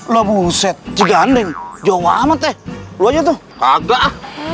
lo buset juga andeng jawa amat eh lu aja tuh agak